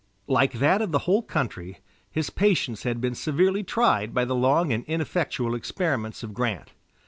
Like that of the whole country, his patience had been severely tried by the long and ineffectual experiments of Grant.